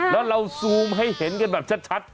แล้วเราซูมให้เห็นกันแบบชัด